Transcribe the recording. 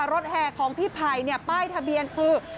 รถแห่ของพี่ภัยเนี่ยป้ายทะเบียนคือ๘๗๐๖๘๓